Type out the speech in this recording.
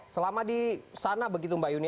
selama di sana begitu mbak yuni